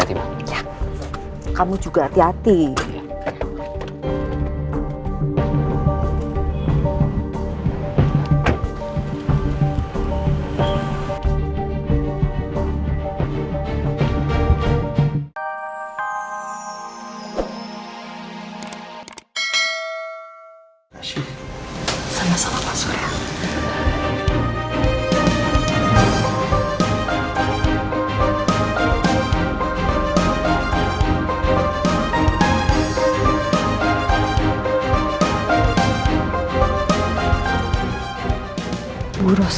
siap jumpa eksklusif di gtv